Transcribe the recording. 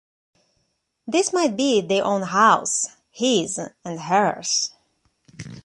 This might be their own house, his and hers.